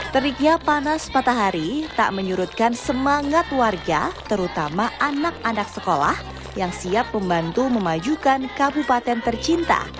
teriknya panas matahari tak menyurutkan semangat warga terutama anak anak sekolah yang siap membantu memajukan kabupaten tercinta